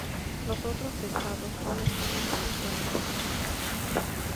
Los otros estados son estados electrónicos excitados.